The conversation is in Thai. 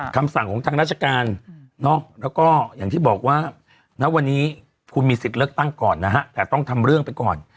คำสั่งของทางราชการแล้วก็อย่างที่บอกว่าณวันนี้คุณมีสิทธิ์เลือกตั้งก่อนนะฮะแต่ต้องทำเรื่องไปก่อน